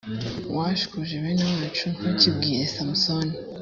wash kuje bene wacu ntukimbwire samusoni